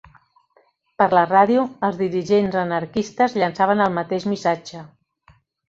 Per la ràdio, els dirigents anarquistes llançaven el mateix missatge